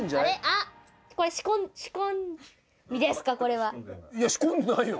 あっ、いや、仕込んでないよ。